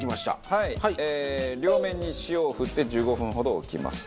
はい両面に塩を振って１５分ほど置きます。